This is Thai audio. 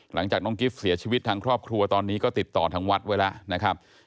หลังจากน้องกิฟต์เสียชีวิตทางครอบครัวตอนนี้ก็ติดต่อทางวัดไว้แล้วนะครับ